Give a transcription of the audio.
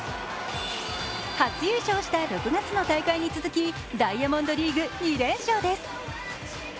初優勝した６月の大会に続きダイヤモンドリーグ２連勝です。